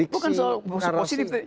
bukan soal positif